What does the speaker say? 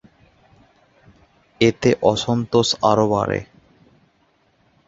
এতে অসন্তোষ আরো বাড়ে।